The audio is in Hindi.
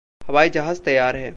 हवाई जहाज़ तैयार है।